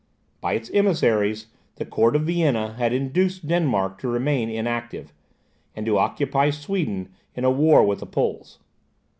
By its embassies, the court of Vienna had induced Denmark to remain inactive, and to occupy Sweden in a war with the Poles.